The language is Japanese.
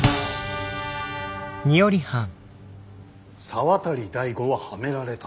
「沢渡大吾はハメられた！